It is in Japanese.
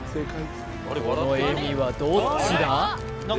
この笑みはどっちだ？